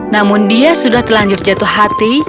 namun dia sudah telanjur jatuh hati